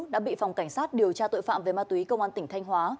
đã bị phòng cảnh sát điều tra tội phạm về ma túy công an tỉnh thanh hóa